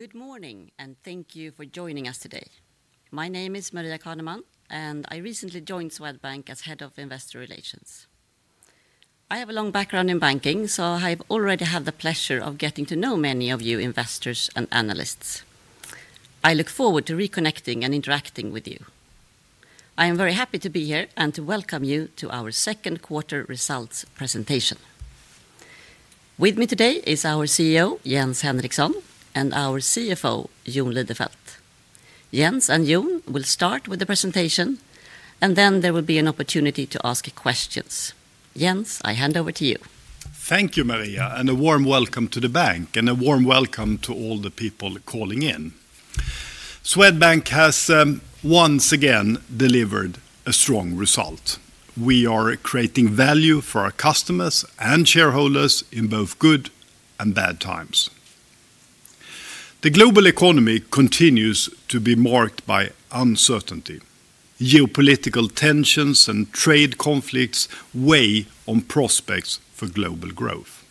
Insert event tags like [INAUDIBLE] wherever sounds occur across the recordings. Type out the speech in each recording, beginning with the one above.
Good morning, and thank you for joining us today. My name is Maria Caneman, and I recently joined Swedbank as Head of Investor Relations. I have a long background in banking, so I already have the pleasure of getting to know many of you investors and analysts. I look forward to reconnecting and interacting with you. I am very happy to be here and to welcome you to our second quarter results presentation. With me today is our CEO, Jens Henriksson, and our CFO, Jon Lidefelt. Jens and Jon will start with the presentation, and then there will be an opportunity to ask questions. Jens, I hand over to you. Thank you, Maria, and a warm welcome to the bank, and a warm welcome to all the people calling in. Swedbank has once again delivered a strong result. We are creating value for our customers and shareholders in both good and bad times. The global economy continues to be marked by uncertainty. Geopolitical tensions and trade conflicts weigh on prospects for global growth.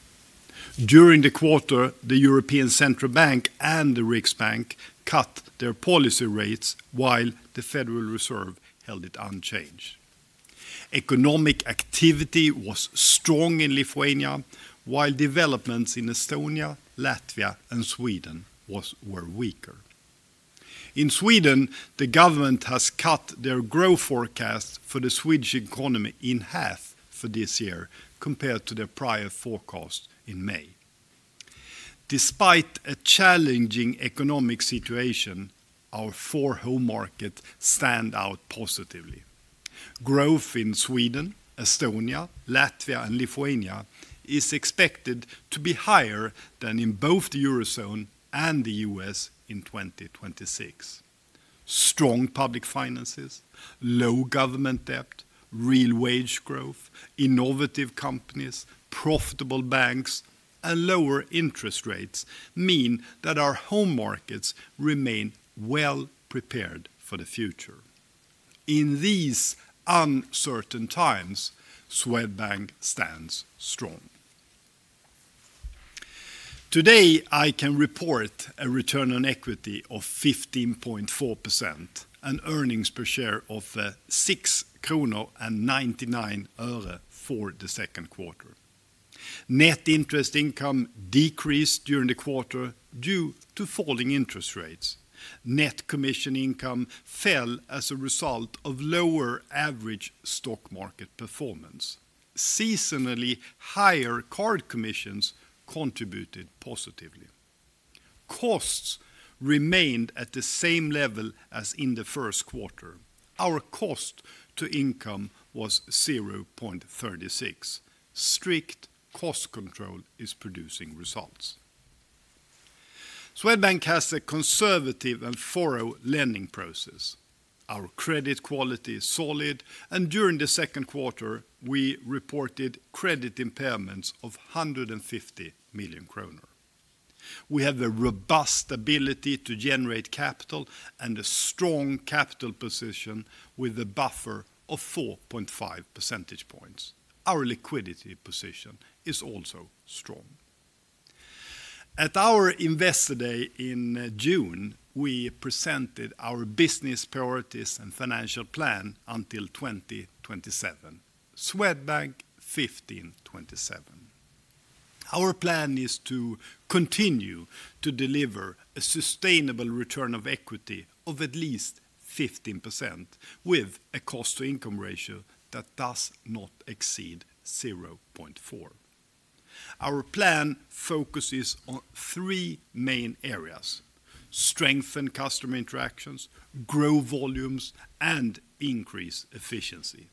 During the quarter, the European Central Bank and the Riksbank cut their policy rates, while the Federal Reserve held it unchanged. Economic activity was strong in Lithuania, while developments in Estonia, Latvia, and Sweden were weaker. In Sweden, the government has cut their growth forecast for the Swedish economy in half for this year, compared to their prior forecast in May. Despite a challenging economic situation, our four home markets stand out positively. Growth in Sweden, Estonia, Latvia, and Lithuania is expected to be higher than in both the Eurozone and the U.S. in 2026. Strong public finances, low government debt, real wage growth, innovative companies, profitable banks, and lower interest rates mean that our home markets remain well prepared for the future. In these uncertain times, Swedbank stands strong. Today, I can report a return on equity of 15.4% and earnings per share of 6.99 kronor for the second quarter. Net interest income decreased during the quarter due to falling interest rates. Net commission income fell as a result of lower average stock market performance. Seasonally higher card commissions contributed positively. Costs remained at the same level as in the first quarter. Our cost-to-income was 0.36. Strict cost control is producing results. Swedbank has a conservative and thorough lending process. Our credit quality is solid, and during the second quarter, we reported credit impairments of 150 million kronor. We have a robust ability to generate capital and a strong capital position with a buffer of 4.5 percentage points. Our liquidity position is also strong. At our Investor Day in June, we presented our business priorities and financial plan until 2027. Swedbank 1527. Our plan is to continue to deliver a sustainable return on equity of at least 15% with a cost-to-income ratio that does not exceed 0.4. Our plan focuses on three main areas: strengthen customer interactions, grow volumes, and increase efficiency.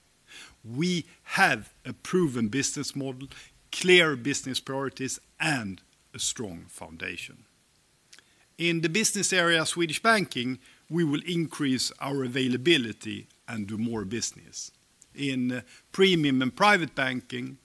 We have a proven business model, clear business priorities, and a strong foundation. In the business area of Swedish Banking, we will increase our availability and do more business. In premium and private banking, we will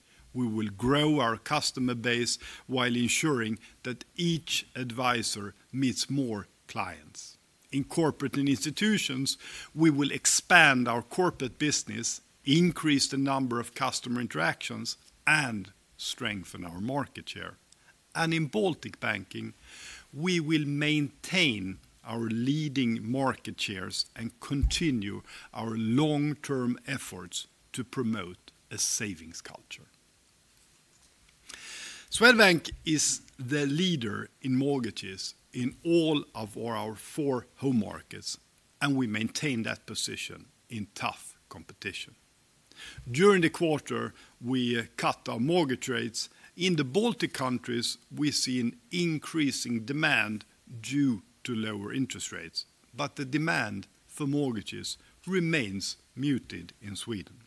grow our customer base while ensuring that each advisor meets more clients. In corporate and institutions, we will expand our corporate business, increase the number of customer interactions, and strengthen our market share. In Baltic Banking, we will maintain our leading market shares and continue our long-term efforts to promote a savings culture. Swedbank is the leader in mortgages in all of our four home markets, and we maintain that position in tough competition. During the quarter, we cut our mortgage rates. In the Baltic countries, we see an increasing demand due to lower interest rates, but the demand for mortgages remains muted in Sweden.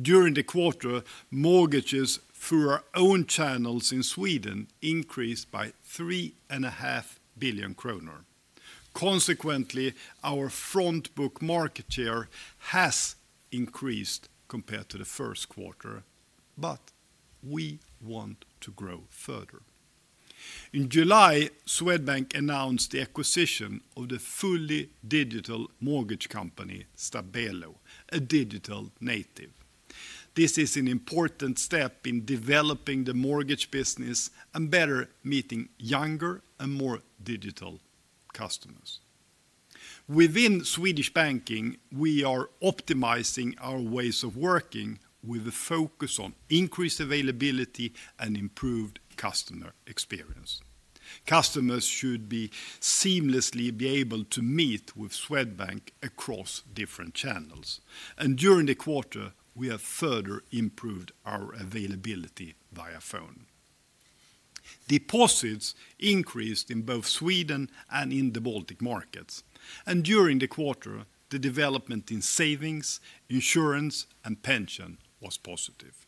During the quarter, mortgages through our own channels in Sweden increased by 3.5 billion kronor. Consequently, our front-book market share has increased compared to the first quarter, but we want to grow further. In July, Swedbank announced the acquisition of the fully digital mortgage company Stabelo, a digital native. This is an important step in developing the mortgage business and better meeting younger and more digital customers. Within Swedish Banking, we are optimizing our ways of working with a focus on increased availability and improved customer experience. Customers should seamlessly be able to meet with Swedbank across different channels, and during the quarter, we have further improved our availability via phone. Deposits increased in both Sweden and in the Baltic markets, and during the quarter, the development in savings, insurance, and pension was positive.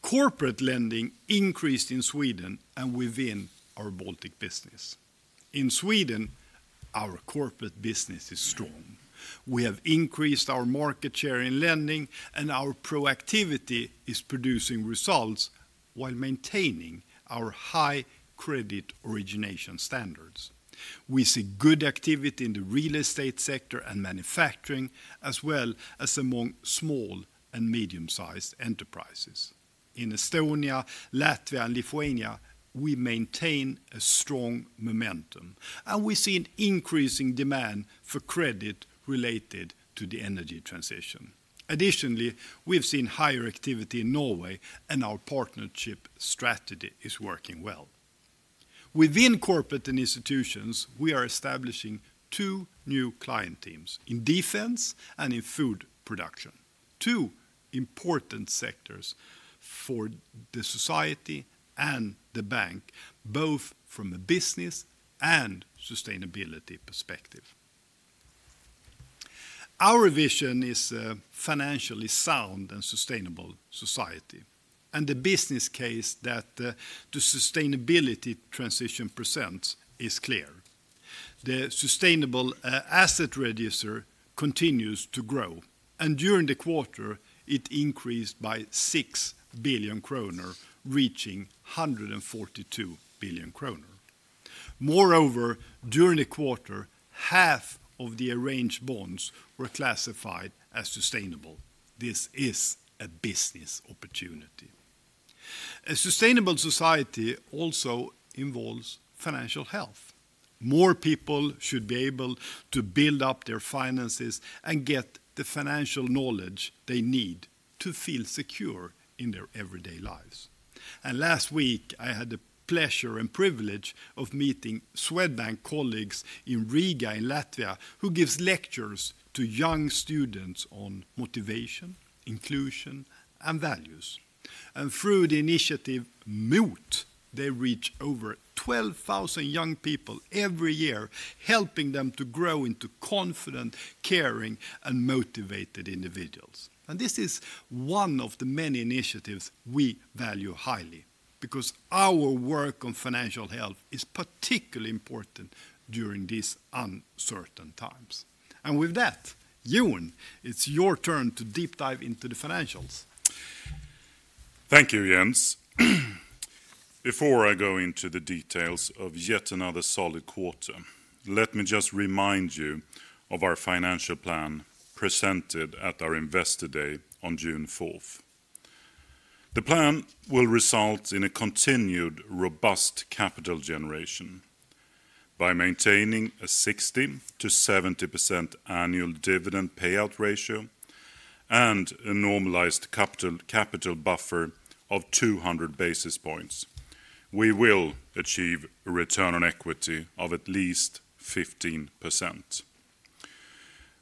Corporate lending increased in Sweden and within our Baltic business. In Sweden, our corporate business is strong. We have increased our market share in lending, and our proactivity is producing results while maintaining our high credit origination standards. We see good activity in the real estate sector and manufacturing, as well as among small and medium-sized enterprises. In Estonia, Latvia, and Lithuania, we maintain a strong momentum, and we see an increasing demand for credit related to the energy transition. Additionally, we've seen higher activity in Norway, and our partnership strategy is working well. Within corporate and institutions, we are establishing two new client teams in defense and in food production, two important sectors for the society and the bank, both from a business and sustainability perspective. Our vision is a financially sound and sustainable society, and the business case that the sustainability transition presents is clear. The Sustainable Asset Register continues to grow, and during the quarter, it increased by 6 billion kronor, reaching 142 billion kronor. Moreover, during the quarter, half of the arranged bonds were classified as sustainable. This is a business opportunity. A sustainable society also involves financial health. More people should be able to build up their finances and get the financial knowledge they need to feel secure in their everyday lives. And last week, I had the pleasure and privilege of meeting Swedbank colleagues in Riga in Latvia, who give lectures to young students on motivation, inclusion, and values. And through the initiative Moot, they reach over 12,000 young people every year, helping them to grow into confident, caring, and motivated individuals. And this is one of the many initiatives we value highly because our work on financial health is particularly important during these uncertain times. And with that, Jon, it's your turn to deep dive into the financials. Thank you, Jens. Before I go into the details of yet another solid quarter, let me just remind you of our financial plan presented at our Investor Day on June 4th. The plan will result in a continued robust capital generation. By maintaining a 60%-70% annual dividend payout ratio and a normalized capital buffer of 200 basis points, we will achieve a return on equity of at least 15%.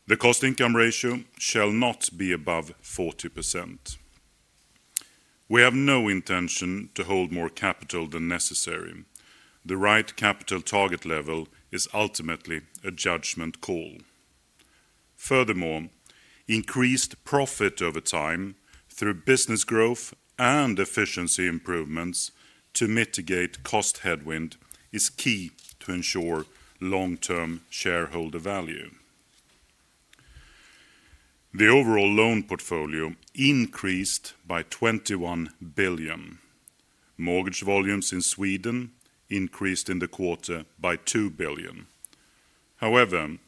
The cost-to-income ratio shall not be above 40%. We have no intention to hold more capital than necessary. The right capital target level is ultimately a judgment call. Furthermore, increased profit over time through business growth and efficiency improvements to mitigate cost headwind is key to ensure long-term shareholder value. The overall loan portfolio increased by 21 billion. Mortgage volumes in Sweden increased in the quarter by 2 billion. However,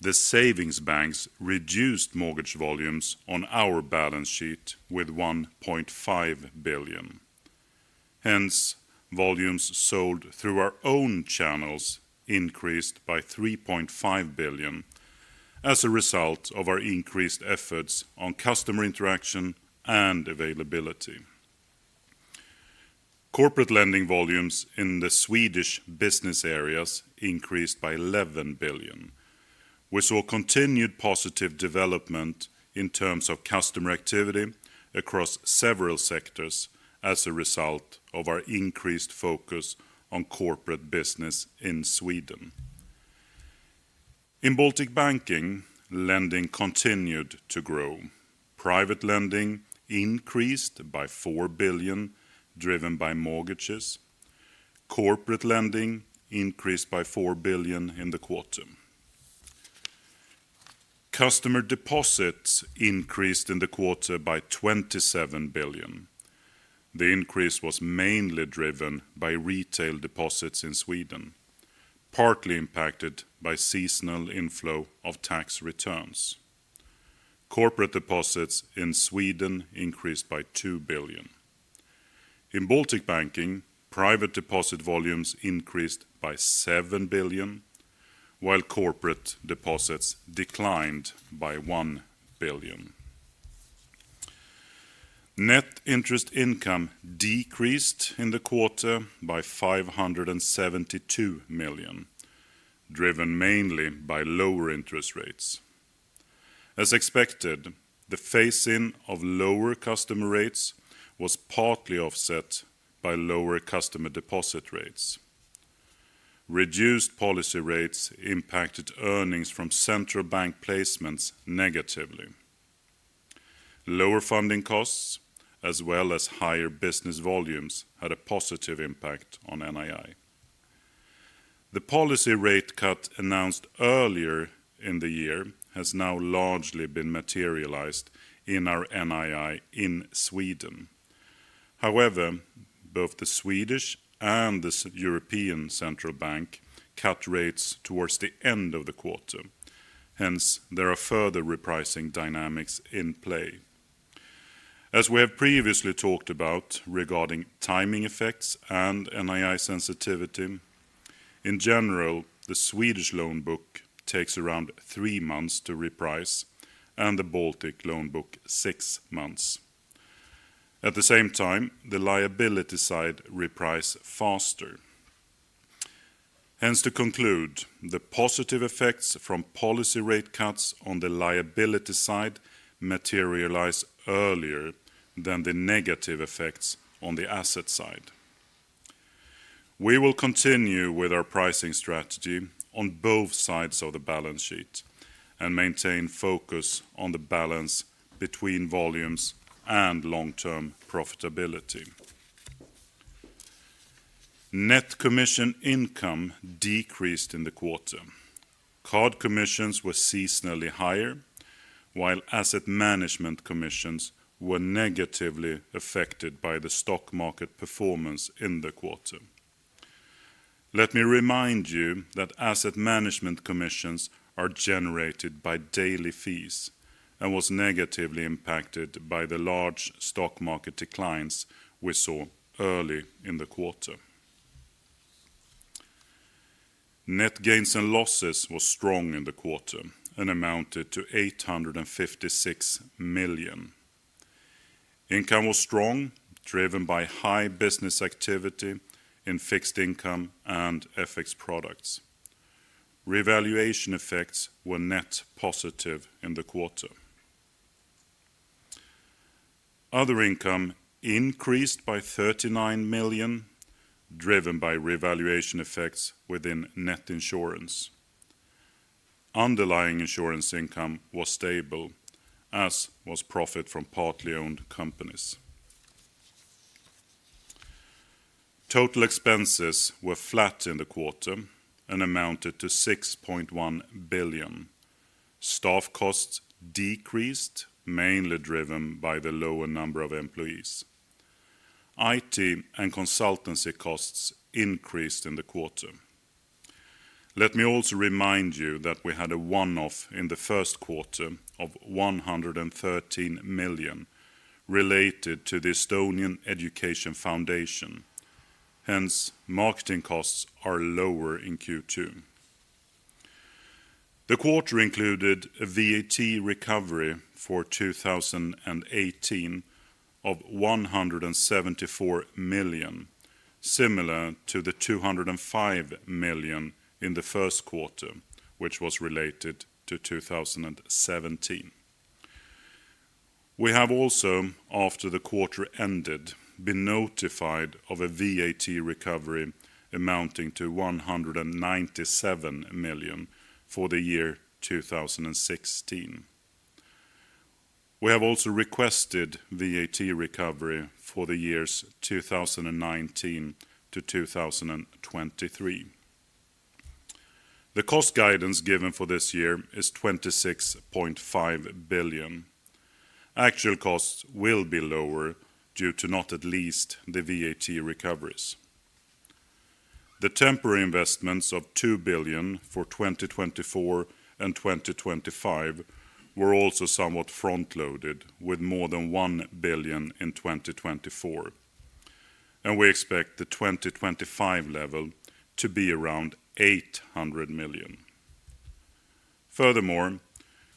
the savings banks reduced mortgage volumes on our balance sheet with 1.5 billion. Hence, volumes sold through our own channels increased by 3.5 billion as a result of our increased efforts on customer interaction and availability. Corporate lending volumes in the Swedish business areas increased by 11 billion. We saw continued positive development in terms of customer activity across several sectors as a result of our increased focus on corporate business in Sweden. In Baltic Banking, lending continued to grow. Private lending increased by 4 billion, driven by mortgages. Corporate lending increased by 4 billion in the quarter. Customer deposits increased in the quarter by 27 billion. The increase was mainly driven by retail deposits in Sweden, partly impacted by seasonal inflow of tax returns. Corporate deposits in Sweden increased by 2 billion. In Baltic Banking, private deposit volumes increased by 7 billion, while corporate deposits declined by 1 billion. Net interest income decreased in the quarter by 572 million, driven mainly by lower interest rates. As expected, the phasing of lower customer rates was partly offset by lower customer deposit rates. Reduced policy rates impacted earnings from central bank placements negatively. Lower funding costs, as well as higher business volumes, had a positive impact on NII. The policy rate cut announced earlier in the year has now largely been materialized in our NII in Sweden. However, both the Swedish and the European Central Bank cut rates towards the end of the quarter. Hence, there are further repricing dynamics in play. As we have previously talked about regarding timing effects and NII sensitivity, in general, the Swedish loan book takes around three months to reprice, and the Baltic loan book six months. At the same time, the liability side reprices faster. Hence, to conclude, the positive effects from policy rate cuts on the liability side materialize earlier than the negative effects on the asset side. We will continue with our pricing strategy on both sides of the balance sheet and maintain focus on the balance between volumes and long-term profitability. Net commission income decreased in the quarter. Card commissions were seasonally higher, while asset management commissions were negatively affected by the stock market performance in the quarter. Let me remind you that asset management commissions are generated by daily fees and were negatively impacted by the large stock market declines we saw early in the quarter. Net gains and losses were strong in the quarter and amounted to 856 million. Income was strong, driven by high business activity in fixed income and FX products. Revaluation effects were net positive in the quarter. Other Income increased by 39 million, driven by revaluation effects within net insurance. Underlying insurance income was stable, as was profit from partly owned companies. Total expenses were flat in the quarter and amounted to 6.1 billion. Staff costs decreased, mainly driven by the lower number of employees. IT and consultancy costs increased in the quarter. Let me also remind you that we had a one-off in the first quarter of 113 million related to the Estonian Education Foundation. Hence, marketing costs are lower in Q2. The quarter included a VAT recovery for 2018 of 174 million, similar to the 205 million in the first quarter, which was related to 2017. We have also, after the quarter ended, been notified of a VAT recovery amounting to 197 million for the year 2016. We have also requested VAT recovery for the years 2019 to 2023. The cost guidance given for this year is 26.5 billion. Actual costs will be lower due to not at least the VAT recoveries. The temporary investments of 2 billion for 2024 and 2025 were also somewhat front-loaded, with more than 1 billion in 2024. We expect the 2025 level to be around 800 million. Furthermore,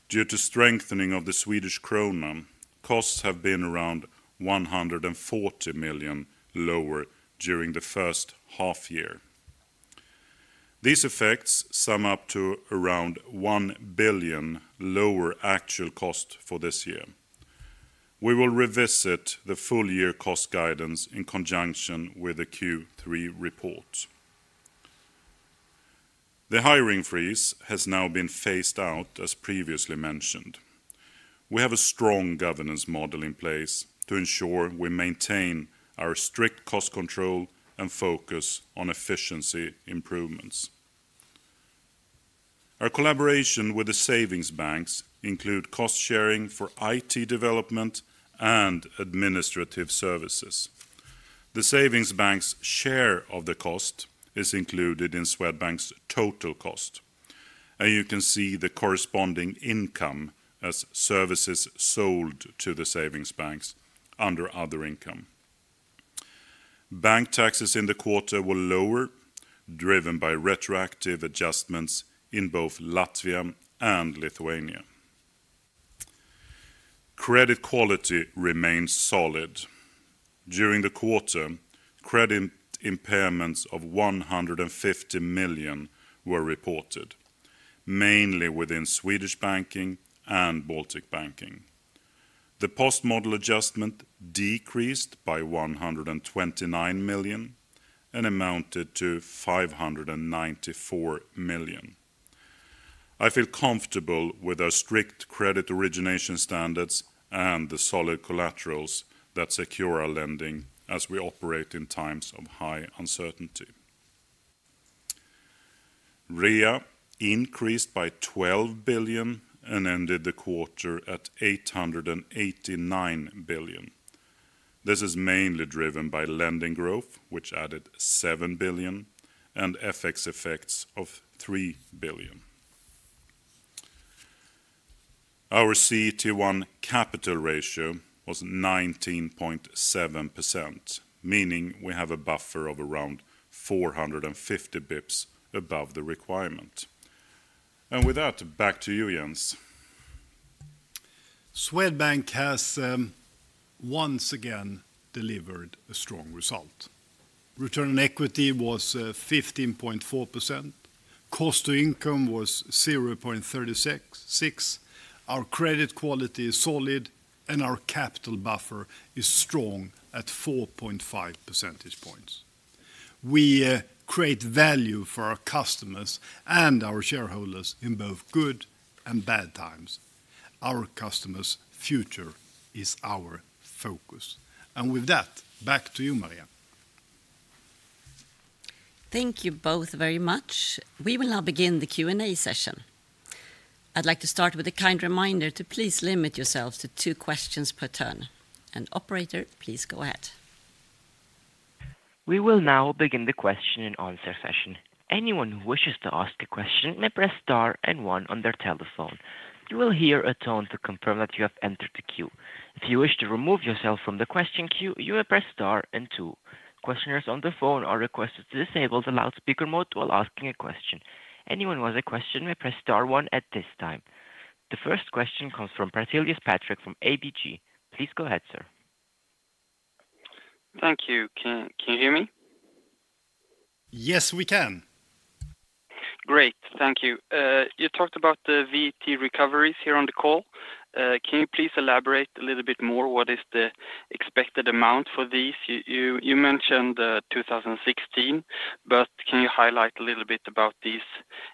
due to strengthening of the Swedish krona, costs have been around 140 million lower during the first half year. These effects sum up to around 1 billion lower actual cost for this year. We will revisit the full year cost guidance in conjunction with the Q3 report. The hiring freeze has now been phased out, as previously mentioned. We have a strong governance model in place to ensure we maintain our strict cost control and focus on efficiency improvements. Our collaboration with the savings banks includes cost sharing for IT development and administrative services. The savings bank's share of the cost is included in Swedbank's total cost. You can see the corresponding income as services sold to the savings banks under other income. Bank taxes in the quarter were lower, driven by retroactive adjustments in both Latvia and Lithuania. Credit quality remains solid. During the quarter, credit impairments of 150 million were reported. Mainly within Swedish Banking and Baltic Banking. The post-model adjustment decreased by 129 million and amounted to 594 million. I feel comfortable with our strict credit origination standards and the solid collaterals that secure our lending as we operate in times of high uncertainty. RWA increased by 12 billion and ended the quarter at 889 billion. This is mainly driven by lending growth, which added 7 billion, and FX effects of 3 billion. Our CET1 capital ratio was 19.7%, meaning we have a buffer of around 450 bps above the requirement. With that, back to you, Jens. Swedbank has once again delivered a strong result. Return on equity was 15.4%. cost-to-income was 0.36. Our credit quality is solid, and our capital buffer is strong at 4.5 percentage points. We create value for our customers and our shareholders in both good and bad times. Our customers' future is our focus. And with that, back to you, Maria. Thank you both very much. We will now begin the Q&A session. I'd like to start with a kind reminder to please limit yourselves to two questions per turn, and operator, please go ahead. We will now begin the question and answer session. Anyone who wishes to ask a question may press star and one on their telephone. You will hear a tone to confirm that you have entered the queue. If you wish to remove yourself from the question queue, you may press star and two. Questioners on the phone are requested to disable the loudspeaker mode while asking a question. Anyone who has a question may press star one at this time. The first question comes from [AUDIO DISTORTION] from ABG. Please go ahead, sir. Thank you. Can you hear me? Yes, we can. Great. Thank you. You talked about the VAT recoveries here on the call. Can you please elaborate a little bit more? What is the expected amount for these? You mentioned 2016, but can you highlight a little bit about these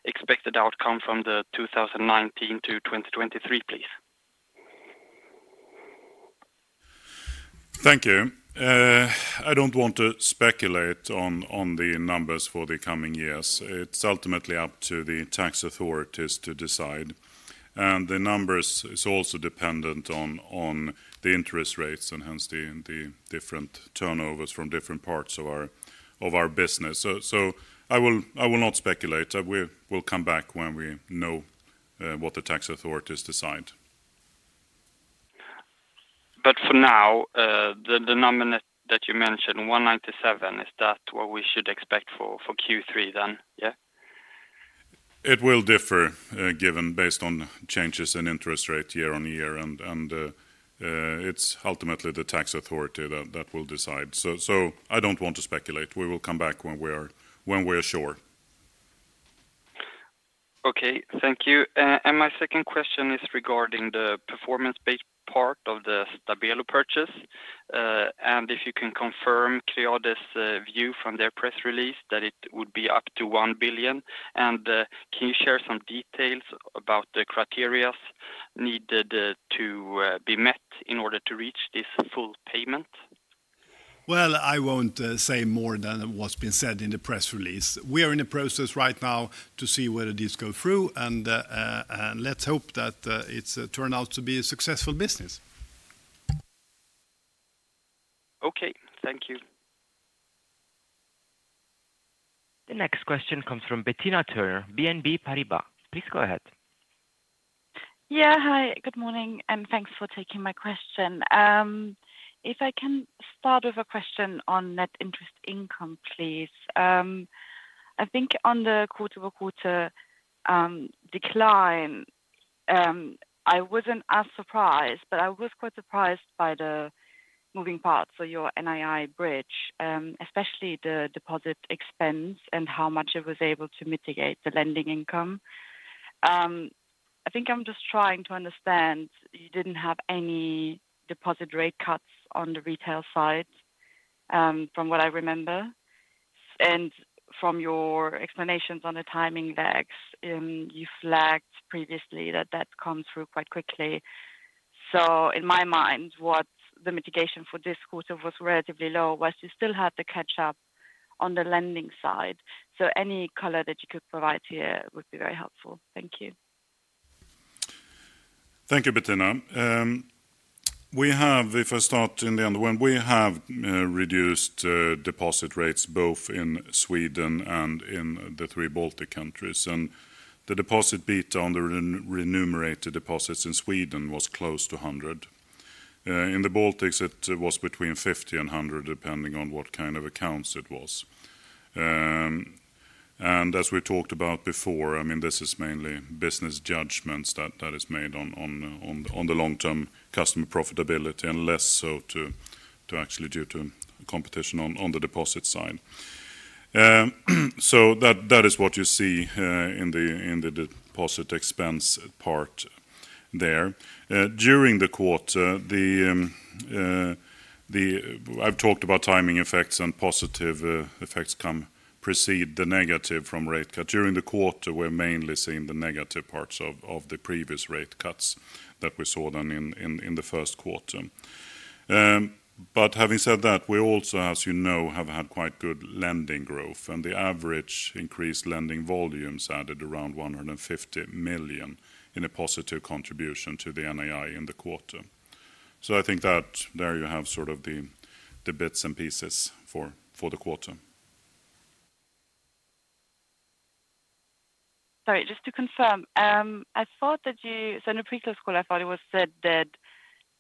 expected outcomes from 2019 to 2023, please? Thank you. I don't want to speculate on the numbers for the coming years. It's ultimately up to the tax authorities to decide, and the numbers are also dependent on the interest rates and hence the different turnovers from different parts of our business. So I will not speculate. We will come back when we know what the tax authorities decide. But for now. The number that you mentioned, 197, is that what we should expect for Q3 then, yeah? It will differ based on changes in interest rate year-on-year. It's ultimately the tax authority that will decide. So I don't want to speculate. We will come back when we are sure. Okay, thank you. And my second question is regarding the performance-based part of the Stabelo purchase. And if you can confirm Creades view from their press release that it would be up to 1 billion? And can you share some details about the criteria needed to be met in order to reach this full payment? Well, I won't say more than what's been said in the press release. We are in the process right now to see whether this goes through. Let's hope that it turns out to be a successful business. Okay, thank you. The next question comes from Bettina Thurner, BNP Paribas. Please go ahead. Yeah, hi, good morning, and thanks for taking my question. If I can start with a question on net interest income, please. I think on the quarter-over-quarter decline. I wasn't as surprised, but I was quite surprised by the moving parts of your NII bridge, especially the deposit expense and how much it was able to mitigate the lending income. I think I'm just trying to understand. You didn't have any deposit rate cuts on the retail side, from what I remember, and from your explanations on the timing lags, you flagged previously that that comes through quite quickly, so in my mind, what the mitigation for this quarter was relatively low was you still had the catch-up on the lending side, so any color that you could provide here would be very helpful. Thank you. Thank you, Bettina. We have, if I start in the end, when we have reduced deposit rates both in Sweden and in the three Baltic countries. And the deposit beta on the remunerated deposits in Sweden was close to 100%. In the Baltics, it was between 50% and 100%, depending on what kind of accounts it was. And as we talked about before, I mean, this is mainly business judgments that are made on. The long-term customer profitability and less so to actually due to competition on the deposit side. So that is what you see in the deposit expense part. There. During the quarter, I've talked about timing effects and positive effects come precede the negative from rate cuts. During the quarter, we're mainly seeing the negative parts of the previous rate cuts that we saw then in the first quarter. But having said that, we also, as you know, have had quite good lending growth. And the average increased lending volumes added around 150 million in a positive contribution to the NII in the quarter. So I think that there you have sort of the bits and pieces for the quarter. Sorry, just to confirm, I thought that you, so in the previous call, I thought it was said that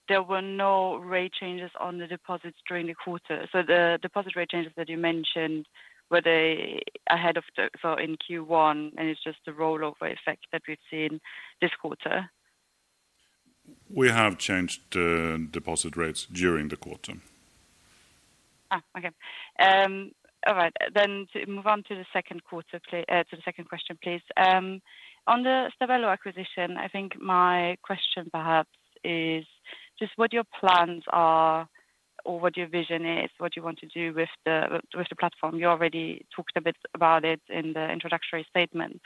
there were no rate changes on the deposits during the quarter. So the deposit rate changes that you mentioned were ahead of the, so in Q1, and it's just the rollover effect that we've seen this quarter. We have changed the deposit rates during the quarter. Okay. All right. Then to move on to the second quarter, to the second question, please. On the Stabelo acquisition, I think my question perhaps is just what your plans are or what your vision is, what you want to do with the platform. You already talked a bit about it in the introductory statement.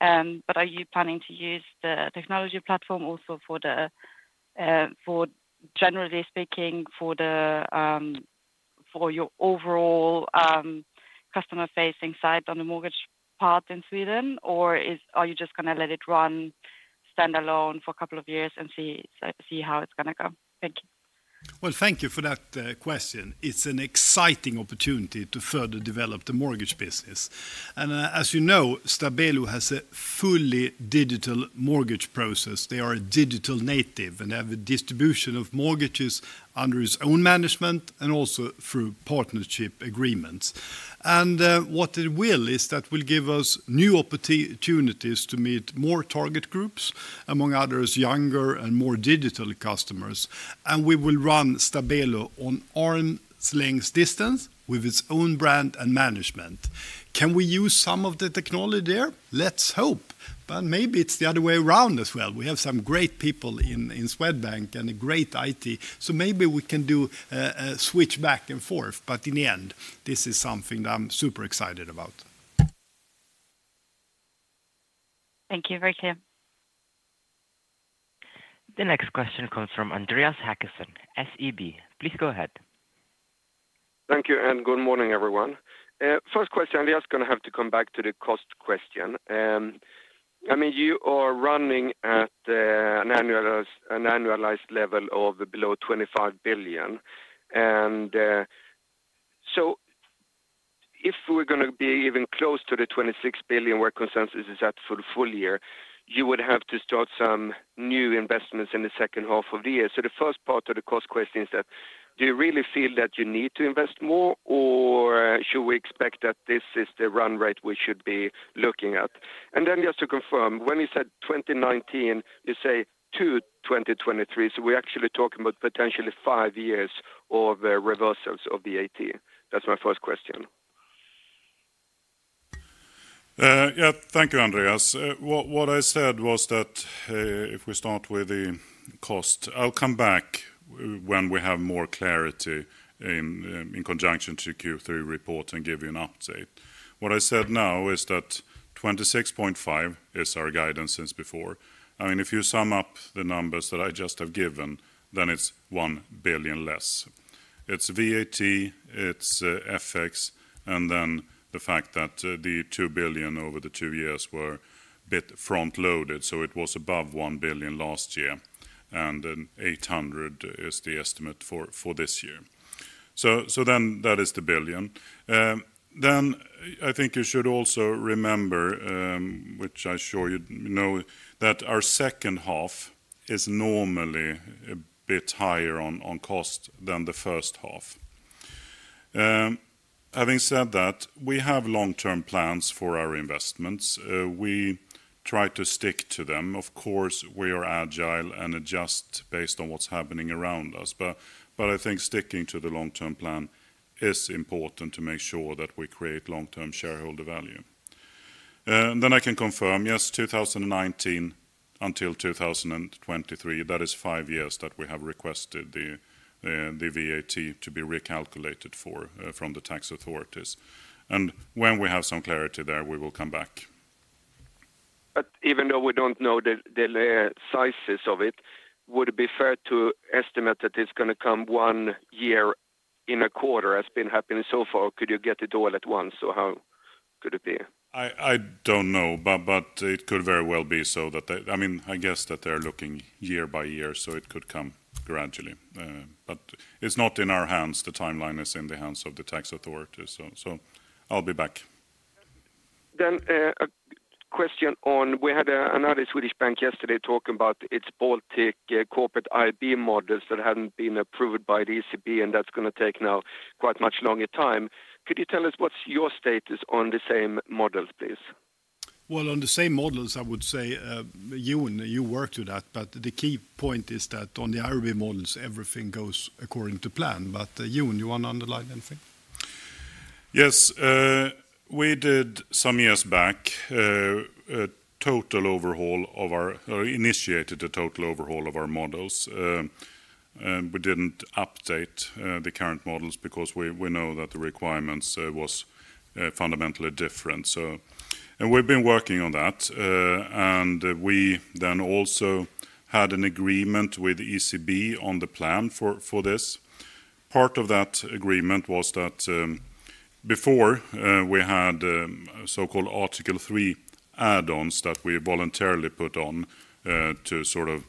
But are you planning to use the technology platform also for, generally speaking, for your overall customer-facing side on the mortgage part in Sweden? Or are you just going to let it run standalone for a couple of years and see how it's going to go? Thank you. Thank you for that question. It's an exciting opportunity to further develop the mortgage business. As you know, Stabelo has a fully digital mortgage process. They are a digital native, and they have a distribution of mortgages under its own management and also through partnership agreements. What it will is that will give us new opportunities to meet more target groups, among others, younger and more digital customers. We will run Stabelo on arm's length distance with its own brand and management. Can we use some of the technology there? Let's hope. Maybe it's the other way around as well. We have some great people in Swedbank and a great IT. Maybe we can do a switch back and forth. In the end, this is something that I'm super excited about. Thank you, very clear. The next question comes from Andreas Hakansson, SEB. Please go ahead. Thank you. And good morning, everyone. First question, I'm just going to have to come back to the cost question. I mean, you are running at an annualized level of below 25 billion. And. So. If we're going to be even close to the 26 billion, where consensus is at for the full year, you would have to start some new investments in the second half of the year. So the first part of the cost question is that, do you really feel that you need to invest more, or should we expect that this is the run rate we should be looking at? And then just to confirm, when you said 2019, you say to 2023. So we're actually talking about potentially five years of reversals of the VAT. That's my first question. Yeah, thank you, Andreas. What I said was that if we start with the cost, I'll come back when we have more clarity in conjunction to Q3 report and give you an update. What I said now is that 26.5 is our guidance since before. I mean, if you sum up the numbers that I just have given, then it's one billion less. It's VAT, it's FX, and then the fact that the two billion over the two years were a bit front-loaded. So it was above one billion last year, and 800 is the estimate for this year. So then that is the billion, then I think you should also remember, which I'm sure you know, that our second half is normally a bit higher on cost than the first half. Having said that, we have long-term plans for our investments. We try to stick to them. Of course, we are agile and adjust based on what's happening around us. But I think sticking to the long-term plan is important to make sure that we create long-term shareholder value. Then I can confirm, yes, 2019 until 2023, that is five years that we have requested the VAT to be recalculated for from the tax authorities. And when we have some clarity there, we will come back. But even though we don't know the sizes of it, would it be fair to estimate that it's going to come one year in a quarter as has been happening so far? Could you get it all at once? So how could it be? I don't know, but it could very well be so that, I mean, I guess that they're looking year-by-year, so it could come gradually. But it's not in our hands. The timeline is in the hands of the tax authorities. So I'll be back. Then a question on, we had another Swedish bank yesterday talking about its Baltic corporate IRB models that hadn't been approved by the ECB, and that's going to take now quite much longer time. Could you tell us what's your status on the same models, please? On the same models, I would say. Jon, you worked with that. The key point is that on the IRB models, everything goes according to plan. Jon, you want to underline anything? Yes. We did some years back a total overhaul of our, or initiated a total overhaul of our models. We didn't update the current models because we know that the requirements were fundamentally different. We've been working on that. We then also had an agreement with ECB on the plan for this. Part of that agreement was that before we had so-called Article 3 add-ons that we voluntarily put on to sort of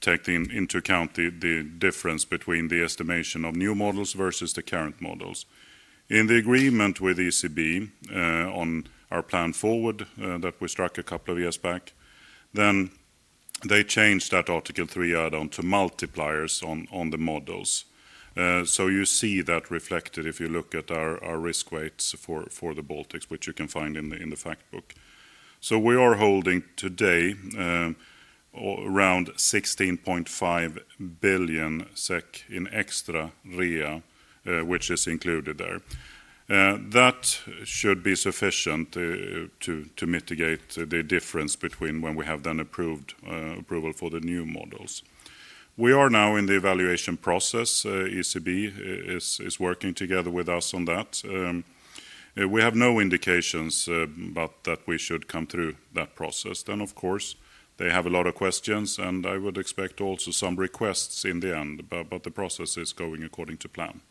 take into account the difference between the estimation of new models versus the current models. In the agreement with ECB on our plan forward that we struck a couple of years back, then. They changed that Article 3 add-on to multipliers on the models. So you see that reflected if you look at our risk weights for the Baltics, which you can find in the fact book. So we are holding today around 16.5 billion SEK in extra REA, which is included there. That should be sufficient to mitigate the difference between when we have then approval for the new models. We are now in the evaluation process. ECB is working together with us on that. We have no indications that we should come through that process. Then, of course, they have a lot of questions, and I would expect also some requests in the end. But the process is going according to plan.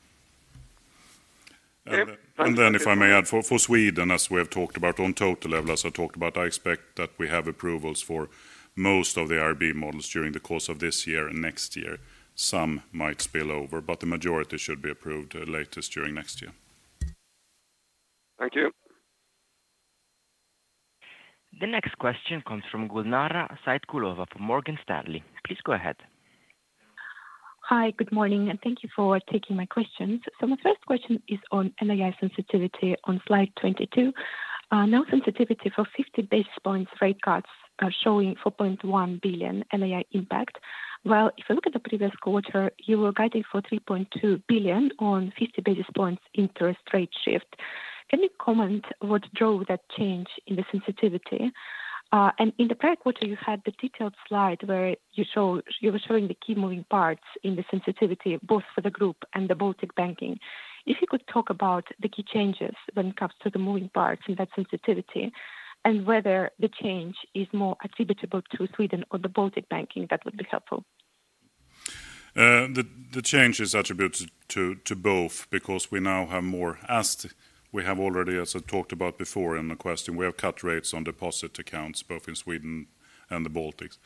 And then if I may add, for Sweden, as we have talked about on total level, as I talked about, I expect that we have approvals for most of the IRB models during the course of this year and next year. Some might spill over, but the majority should be approved latest during next year. Thank you. The next question comes from Gulnara Saitkulova from Morgan Stanley. Please go ahead. Hi, good morning, and thank you for taking my questions. So my first question is on NII sensitivity on slide 22. Now, sensitivity for 50 basis points rate cuts are showing 4.1 billion NII impact. Well, if you look at the previous quarter, you were guided for 3.2 billion on 50 basis points interest rate shift. Can you comment on what drove that change in the sensitivity? And in the prior quarter, you had the detailed slide where you were showing the key moving parts in the sensitivity, both for the group and the Baltic Banking. If you could talk about the key changes when it comes to the moving parts in that sensitivity and whether the change is more attributable to Sweden or the Baltic Banking, that would be helpful. The change is attributed to both because we now have more, as we have already talked about before in the question, we have cut rates on deposit accounts, both in Sweden and the Baltics.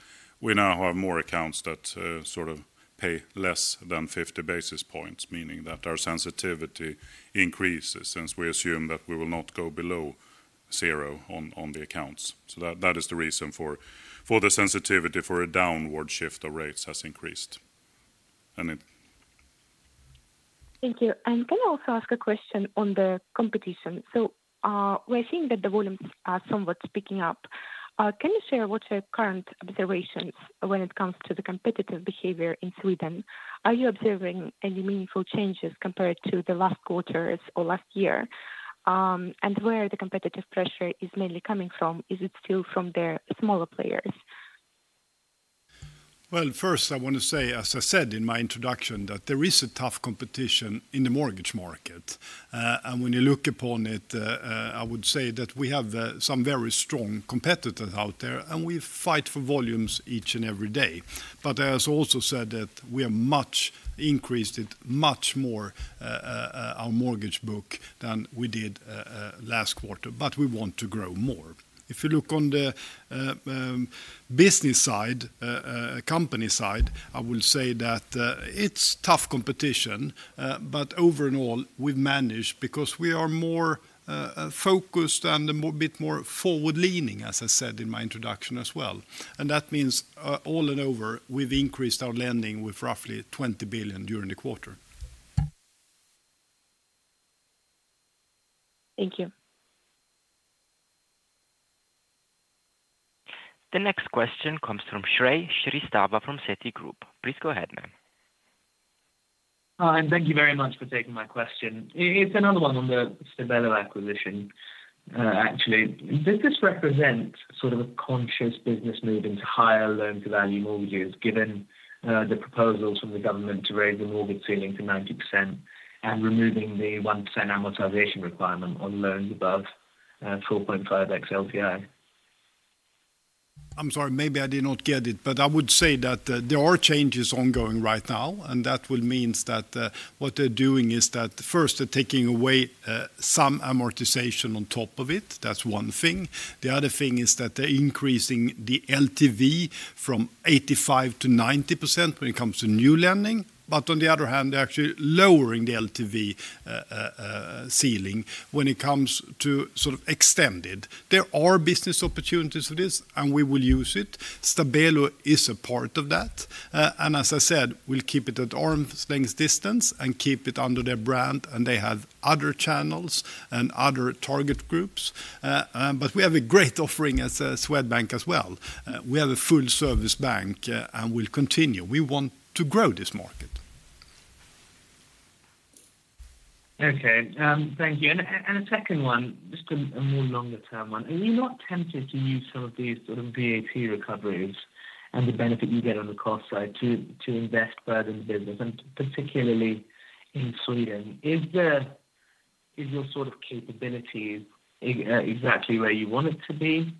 We now have more accounts that sort of pay less than 50 basis points, meaning that our sensitivity increases since we assume that we will not go below zero on the accounts. So that is the reason for the sensitivity for a downward shift of rates has increased. Thank you. And can I also ask a question on the competition? So we're seeing that the volumes are somewhat picking up. Can you share what are your current observations when it comes to the competitive behavior in Sweden? Are you observing any meaningful changes compared to the last quarters or last year? And where the competitive pressure is mainly coming from? Is it still from the smaller players? First, I want to say, as I said in my introduction, that there is a tough competition in the mortgage market, and when you look upon it, I would say that we have some very strong competitors out there, and we fight for volumes each and every day. I also said that we have increased our mortgage book much more than we did last quarter, but we want to grow more. If you look on the business side, company side, I will say that it's tough competition, but overall, we've managed because we are more focused and a bit more forward-leaning, as I said in my introduction as well. That means all in all, overall, we've increased our lending with roughly 20 billion during the quarter. Thank you. The next question comes from Shrey Srivastava from Citigroup. Please go ahead, man. Hi, and thank you very much for taking my question. It's another one on the Stabelo acquisition. Actually, does this represent sort of a conscious business move into higher loan-to-value mortgages given the proposals from the government to raise the mortgage ceiling to 90% and removing the 1% amortization requirement on loans above 4.5 X LTI? I'm sorry, maybe I did not get it, but I would say that there are changes ongoing right now, and that will mean that what they're doing is that first, they're taking away some amortization on top of it. That's one thing. The other thing is that they're increasing the LTV from 85%-90% when it comes to new lending. But on the other hand, they're actually lowering the LTV ceiling when it comes to sort of extended. There are business opportunities for this, and we will use it. Stabelo is a part of that. And as I said, we'll keep it at arm's length distance and keep it under their brand. And they have other channels and other target groups. But we have a great offering as a Swedbank as well. We have a full-service bank, and we'll continue. We want to grow this market. Okay, thank you. And a second one, just a more longer term one. Are you not tempted to use some of these sort of VAT recoveries and the benefit you get on the cost side to invest further in the business, and particularly in Sweden? Is your sort of capabilities exactly where you want it to be?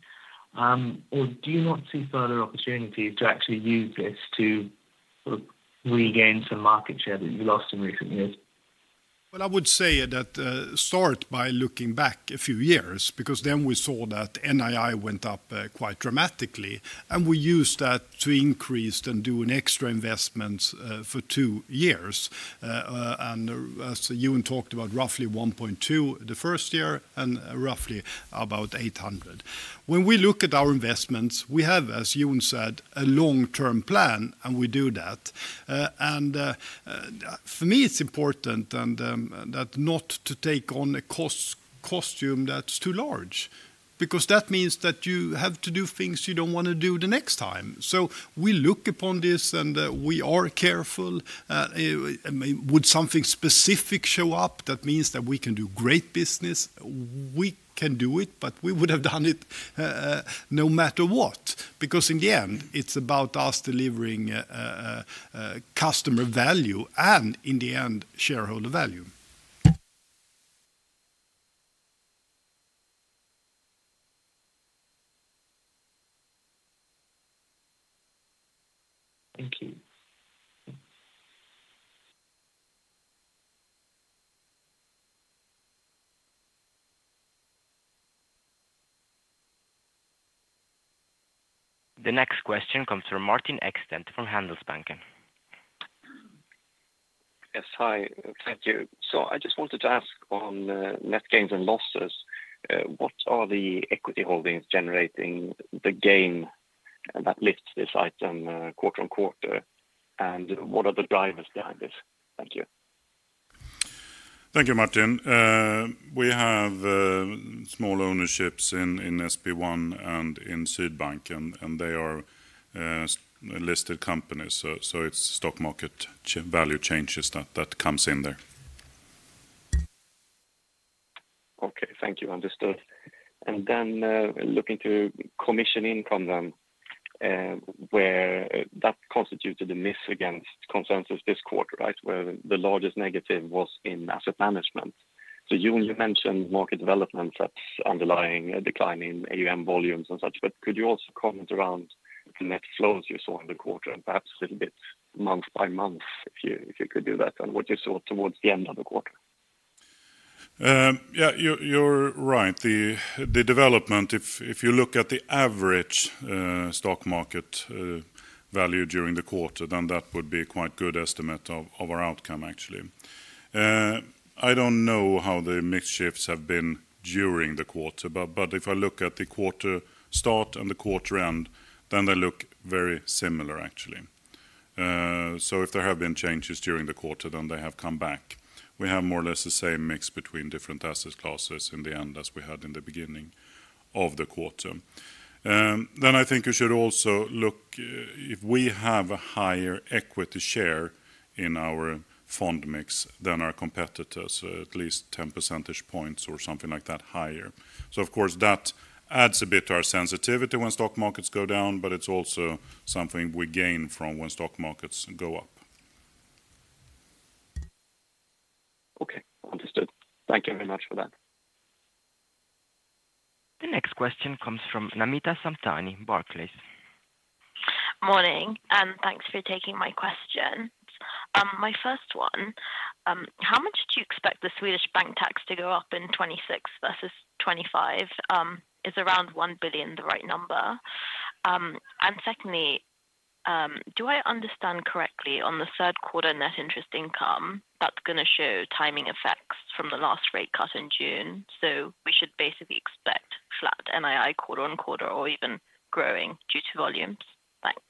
Or do you not see further opportunities to actually use this to sort of regain some market share that you lost in recent years? I would say to start by looking back a few years because then we saw that NII went up quite dramatically. And we used that to increase and do an extra investment for two years. And as Jens talked about, roughly 1.2 the first year and roughly about 800. When we look at our investments, we have, as Jens said, a long-term plan, and we do that. For me, it's important that not to take on a cost structure that's too large because that means that you have to do things you don't want to do the next time. So we look upon this, and we are careful. Would something specific show up that means that we can do great business? We can do it, but we would have done it. No matter what, because in the end, it's about us delivering. Customer value and in the end, shareholder value. Thank you. The next question comes from Martin Ekstedt from Handelsbanken. Yes, hi. Thank you. So I just wanted to ask on net gains and losses, what are the equity holdings generating the gain that lifts this item quarter-on-quarter? And what are the drivers behind this? Thank you. Thank you, Martin. We have small ownerships in SB1 and in Swedbank, and they are listed companies. So it's stock market value changes that comes in there. Okay, thank you. Understood. And then looking to commission income then. Where that constituted a miss against consensus this quarter, right? Where the largest negative was in asset management. So Jon, you mentioned market development that's underlying a decline in AUM volumes and such, but could you also comment around the net flows you saw in the quarter and perhaps a little bit month by month if you could do that and what you saw towards the end of the quarter? Yeah, you're right. The development, if you look at the average stock market value during the quarter, then that would be a quite good estimate of our outcome, actually. I don't know how the mix shifts have been during the quarter, but if I look at the quarter start and the quarter end, then they look very similar, actually. So if there have been changes during the quarter, then they have come back. We have more or less the same mix between different asset classes in the end as we had in the beginning of the quarter. Then I think you should also look if we have a higher equity share in our fund mix than our competitors, at least 10 percentage points or something like that higher. So of course, that adds a bit to our sensitivity when stock markets go down, but it's also something we gain from when stock markets go up. Okay, understood. Thank you very much for that. The next question comes from Namita Samtani, Barclays. Morning, and thanks for taking my question. My first one, how much do you expect the Swedish bank tax to go up in 2026 versus 2025? Is around 1 billion the right number? And secondly, do I understand correctly on the third quarter net interest income, that's going to show timing effects from the last rate cut in June, so we should basically expect flat NII quarter-on-quarter or even growing due to volumes? Thanks.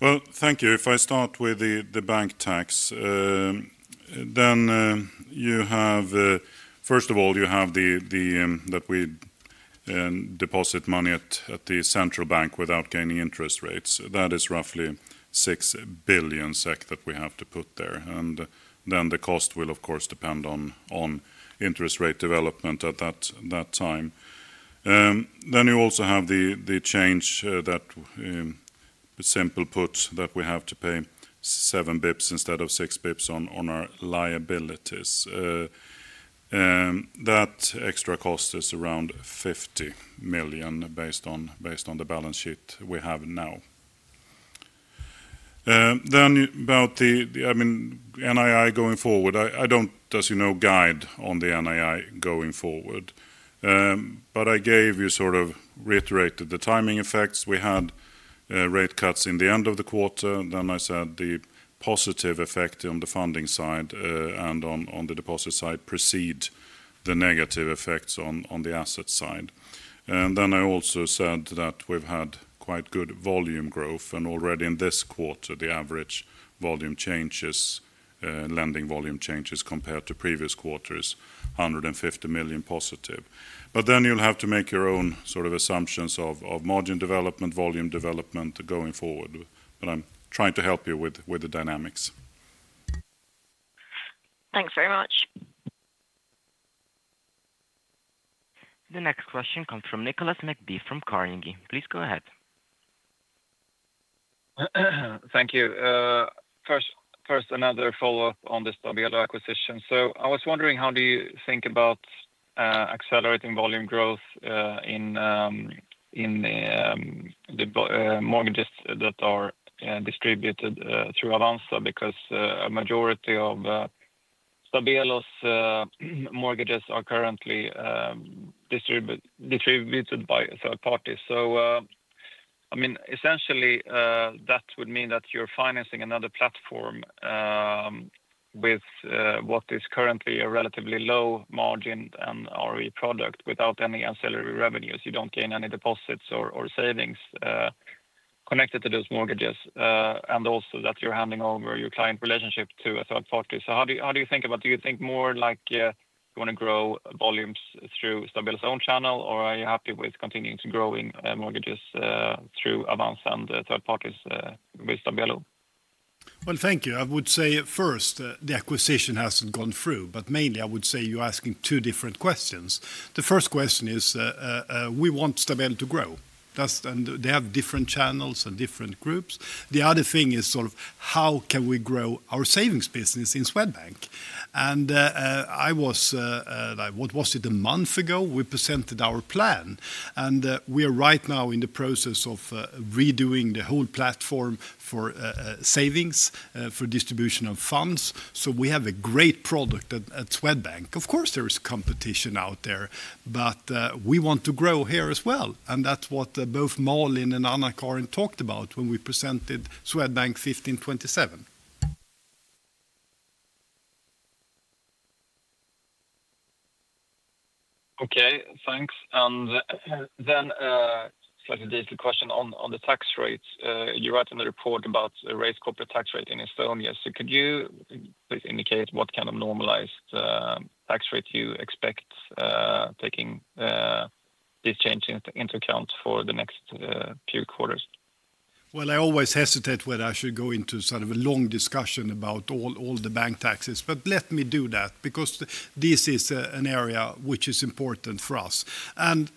Well, thank you. If I start with the bank tax, then you have, first of all, you have the that we deposit money at the central bank without gaining interest rates. That is roughly 6 billion SEK that we have to put there. And then the cost will, of course, depend on interest rate development at that time. Then you also have the change that simple puts that we have to pay 7 bps instead of 6 bps on our liabilities. That extra cost is around 50 million based on the balance sheet we have now. Then about the, I mean, NII going forward, I don't, as you know, guide on the NII going forward. But I gave you sort of reiterated the timing effects we had rate cuts in the end of the quarter. Then I said the positive effect on the funding side and on the deposit side precede the negative effects on the asset side. And then I also said that we've had quite good volume growth, and already in this quarter, the average volume changes. Lending volume changes compared to previous quarters, 150 million positive. But then you'll have to make your own sort of assumptions of margin development, volume development going forward. But I'm trying to help you with the dynamics. Thanks very much. The next question comes from Nicholas McBee from Carnegie. Please go ahead. Thank you. First, another follow-up on the Stabelo acquisition. So I was wondering, how do you think about accelerating volume growth in the mortgages that are distributed through Avanza? Because a majority of Stabelo's mortgages are currently distributed by third parties. So, I mean, essentially, that would mean that you're financing another platform with what is currently a relatively low margin and ROE product without any ancillary revenues. You don't gain any deposits or savings connected to those mortgages, and also that you're handing over your client relationship to a third party. So how do you think about it? Do you think more like you want to grow volumes through Stabelo's own channel, or are you happy with continuing to grow in mortgages through Avanza and third parties with Stabelo? Thank you. I would say first, the acquisition hasn't gone through, but mainly I would say you're asking two different questions. The first question is. We want Stabelo to grow. And they have different channels and different groups. The other thing is sort of how can we grow our savings business in Swedbank? And I was. What was it, a month ago? We presented our plan. And we are right now in the process of redoing the whole platform for savings, for distribution of funds. So we have a great product at Swedbank. Of course, there is competition out there, but we want to grow here as well. And that's what both Marlin and Anna Karin talked about when we presented Swedbank 1527. Okay, thanks. And then. Slightly detailed question on the tax rates. You write in the report about the raised corporate tax rate in Estonia. So could you please indicate what kind of normalized tax rate you expect. Taking this change into account for the next few quarters? Well, I always hesitate when I should go into sort of a long discussion about all the bank taxes, but let me do that because this is an area which is important for us. And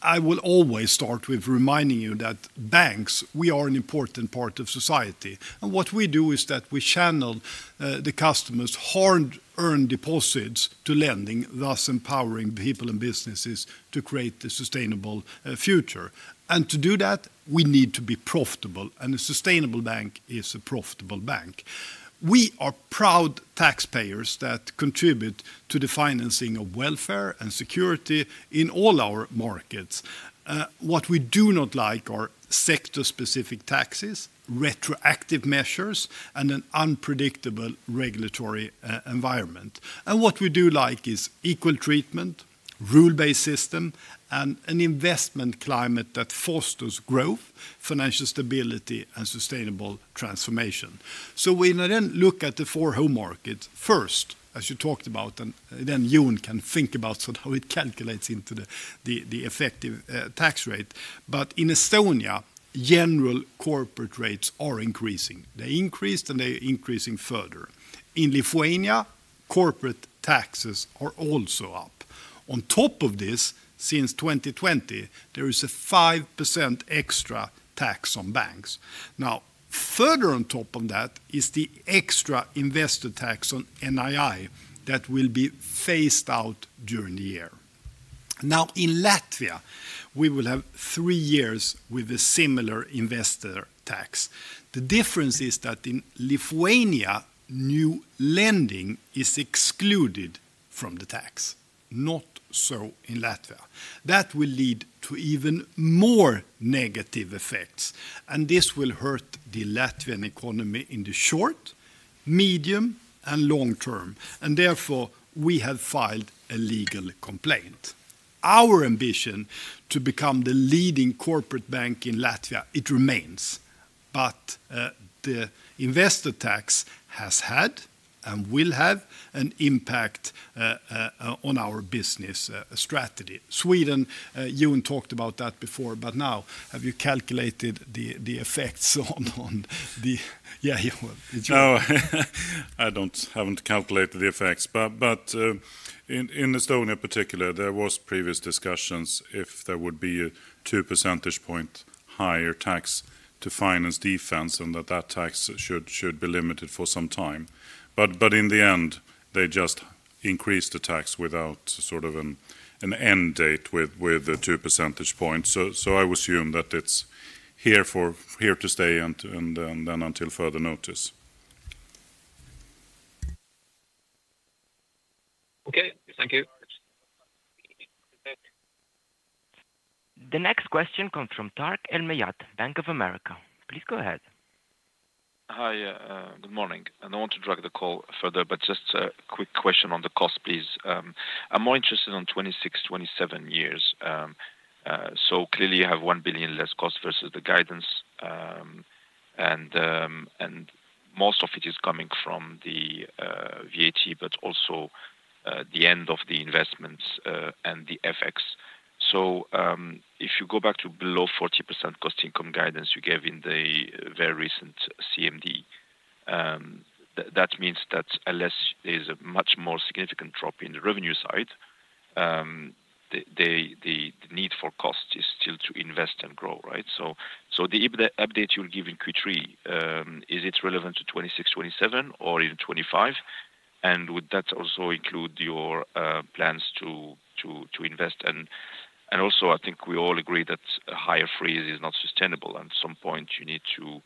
I will always start with reminding you that banks, we are an important part of society. And what we do is that we channel the customers' hard-earned deposits to lending, thus empowering people and businesses to create a sustainable future. And to do that, we need to be profitable. And a sustainable bank is a profitable bank. We are proud taxpayers that contribute to the financing of welfare and security in all our markets. What we do not like are sector-specific taxes, retroactive measures, and an unpredictable regulatory environment. And what we do like is equal treatment, rule-based system, and an investment climate that fosters growth, financial stability, and sustainable transformation. So we then look at the four home markets first, as you talked about, and then Jon can think about sort of how it calculates into the effective tax rate. But in Estonia, general corporate rates are increasing. They increased, and they're increasing further. In Lithuania, corporate taxes are also up. On top of this, since 2020, there is a 5% extra tax on banks. Now, further on top of that is the extra investor tax on NII that will be phased out during the year. Now, in Latvia, we will have three years with a similar investor tax. The difference is that in Lithuania, new lending is excluded from the tax. Not so in Latvia. That will lead to even more negative effects. And this will hurt the Latvian economy in the short, medium, and long term. And therefore, we have filed a legal complaint. Our ambition to become the leading corporate bank in Latvia, it remains, but the investor tax has had and will have an impact on our business strategy. Sweden, Jens talked about that before, but now, have you calculated the effects on the... No, I haven't calculated the effects, but in Estonia in particular, there were previous discussions if there would be a 2 percentage points higher tax to finance defense and that that tax should be limited for some time. But in the end, they just increased the tax without sort of an end date with a 2 percentage points. So I would assume that it's here to stay and then until further notice. Okay, thank you. The next question comes from Tarik El Mejjad, Bank of America. Please go ahead. Hi, good morning. And I want to drag the call further, but just a quick question on the cost, please. I'm more interested in 2026, 2027 years. So clearly, you have one billion less cost versus the guidance. And most of it is coming from the VAT, but also the end of the investments and the FX. So if you go back to below 40% cost income guidance you gave in the very recent CMD. That means that unless there's a much more significant drop in the revenue side. The need for cost is still to invest and grow, right? So the update you'll give in Q3, is it relevant to 2026, 2027, or even 2025? And would that also include your plans to invest? And also, I think we all agree that a hire freeze is not sustainable. And at some point, you need to.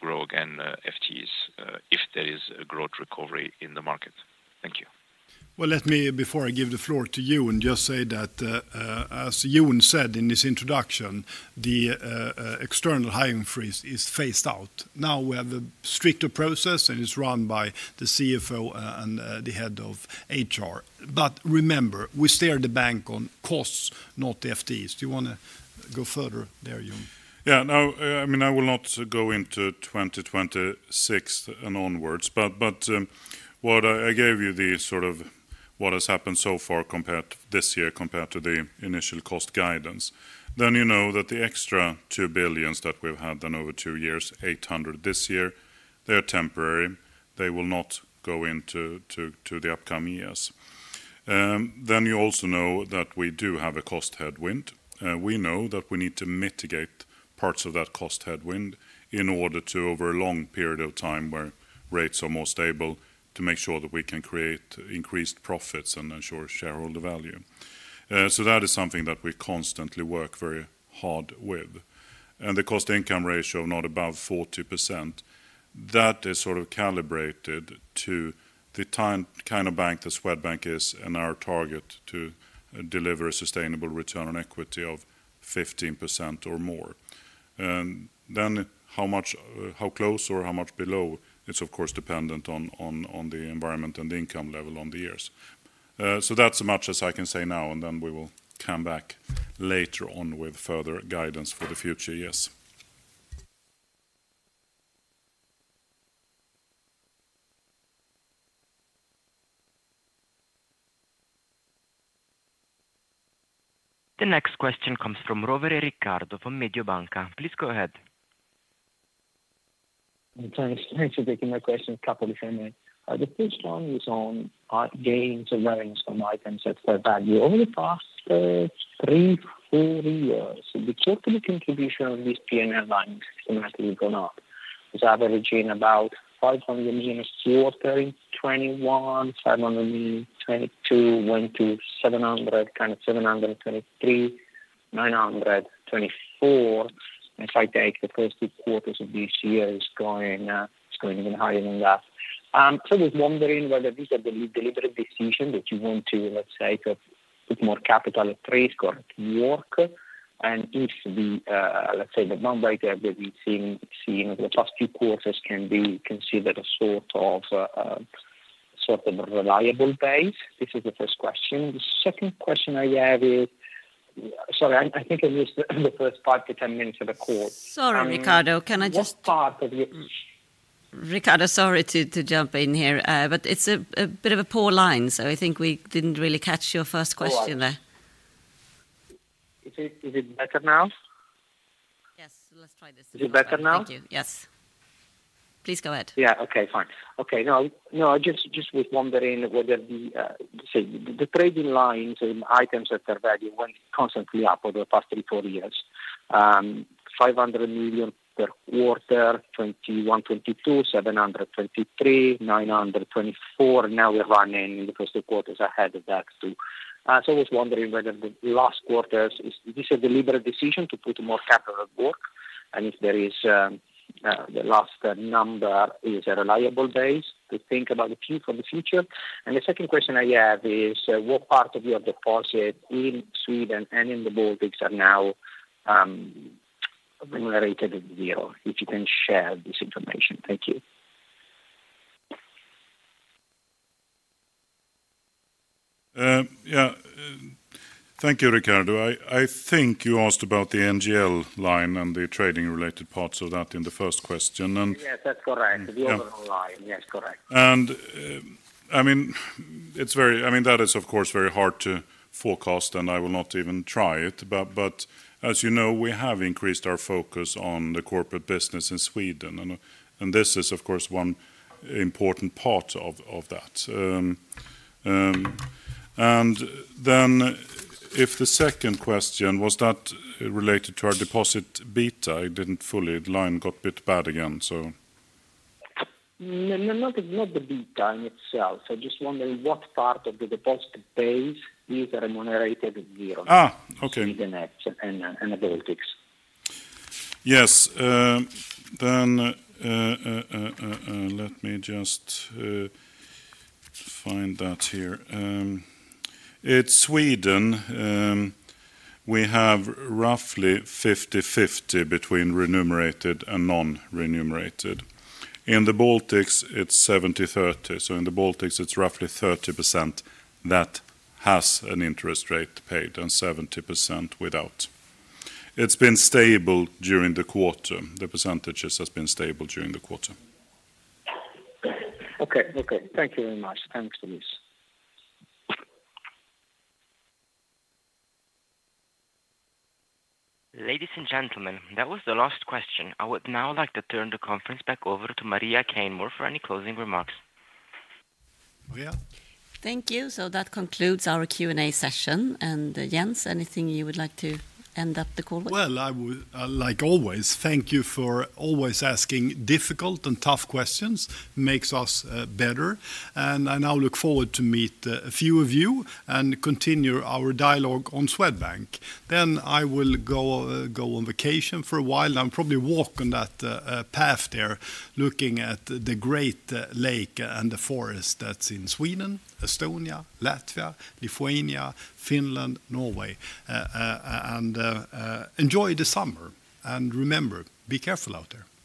Grow again FTEs if there is a growth recovery in the market. Thank you. Well, let me, before I give the floor to you, just say that. As Jens said in his introduction, the external hiring freeze is phased out. Now we have a stricter process, and it's run by the CFO and the head of HR. But remember, we steer the bank on costs, not the FTEs. Do you want to go further there, dear Jon? Yeah, no, I mean, I will not go into 2026 and onwards, but. What I gave you, the sort of what has happened so far compared this year compared to the initial cost guidance, then you know that the extra 2 billion that we've had then over two years, 800 million this year, they're temporary. They will not go into. The upcoming years. Then you also know that we do have a cost headwind. We know that we need to mitigate parts of that cost headwind in order to, over a long period of time where rates are more stable, to make sure that we can create increased profits and ensure shareholder value. So that is something that we constantly work very hard with. And the cost-to-income ratio, not above 40%. That is sort of calibrated to the kind of bank that Swedbank is and our target to deliver a sustainable return on equity of 15% or more. And then how close or how much below, it's of course dependent on the environment and the income level on the years. So that's as much as I can say now, and then we will come back later on with further guidance for the future years. The next question comes from Rovere Riccardo from Mediobanca. Please go ahead. Thanks for taking my question properly, family. The first one is on gains and learnings from items at fair value over the past three, four years. The total contribution of these PNL lines has dramatically gone up. It's averaging about [AUDIO DISTORTION] [500 million in 2022, went to 700 million in 2023, SEK 900 million in 2024]. And if I take the first two quarters of this year, it's going even higher than that. So I was wondering whether these are the deliberate decisions that you want to, let's say, put more capital at risk or at work. And if the, let's say, the number that we've seen over the past few quarters can be considered a sort of reliable base. This is the first question. The second question I have is. Sorry, I think I missed the first part, the 10 minutes of the call. Sorry, Riccardo, can I just stop. What part of your? Riccardo, sorry to jump in here, but it's a bit of a poor line, so I think we didn't really catch your first question there. Is it better now? Yes, let's try this again. Is it better now? Thank you. Yes. Please go ahead. Yeah, okay, fine. Okay, no, no, I just was wondering whether the trading lines and items at fair value went constantly up over the past three, four years. 500 million per quarter, 2021, 2022, 700 million 2023, 900 million 2024, and now we're running in the first two quarters ahead of that too. So I was wondering whether the last quarters, is this a deliberate decision to put more capital at work? And if there is, the last number is a reliable base to think about the future for the future? And the second question I have is, what part of your deposit in Sweden and in the Baltics are now really rated at zero? If you can share this information, thank you. Yeah. Thank you, Riccardo. I think you asked about the NGL line and the trading-related parts of that in the first question. Yes, that's correct. The overall line, yes, correct. And I mean, it's very, I mean, that is of course very hard to forecast, and I will not even try it. But as you know, we have increased our focus on the corporate business in Sweden. And this is of course one important part of that. And then if the second question was that related to our deposit beta, I didn't fully, the line got a bit bad again, so. Not the beta in itself. I just wondered what part of the deposit base is remunerated at zero. okay. Sweden and the Baltics. Yes, then let me just find that here. In Sweden, we have roughly 50/50 between remunerated and non-remunerated. In the Baltics, it's 70/30. So in the Baltics, it's roughly 30% that has an interest rate paid and 70% without. It's been stable during the quarter. The percentages have been stable during the quarter. Okay, okay. Thank you very much. [AUDIO DISTORTION] Ladies and gentlemen, that was the last question. I would now like to turn the conference back over to Maria Caneman for any closing remarks. Maria. Thank you. So that concludes our Q&A session. And Jens, anything you would like to end up the call with? Well, like always, thank you for always asking difficult and tough questions. Makes us better. And I now look forward to meet a few of you and continue our dialogue on Swedbank. Then I will go on vacation for a while. I'll probably walk on that path there, looking at the great lake and the forest that's in Sweden, Estonia, Latvia, Lithuania, Finland, Norway. And enjoy the summer. And remember, be careful out there.